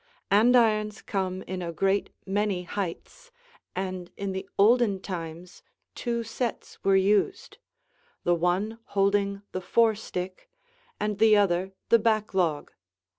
Andirons come in a great many heights, and in the olden times two sets were used, the one holding the forestick, and the other the backlog.